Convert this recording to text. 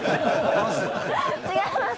違います。